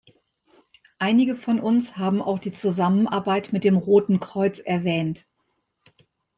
Einige von uns haben auch die Zusammenarbeit mit dem Roten Kreuz erwähnt.